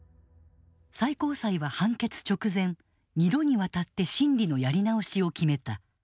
最高裁は判決直前２度にわたって審理のやり直しを決めた。